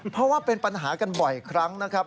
เพราะว่าเป็นปัญหากันบ่อยครั้งนะครับ